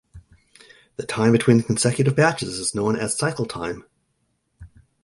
The time between consecutive batches is known as cycle time.